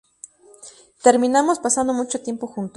Terminamos pasando mucho tiempo junto.